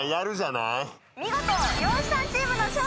見事！